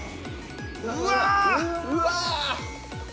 ◆うわ。